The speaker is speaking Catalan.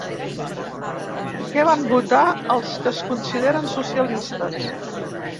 Què van votar els que es consideren socialistes?